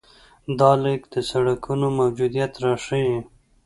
دا لیک د سړکونو موجودیت راښيي.